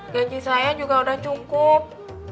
gaji saya juga sudah cukup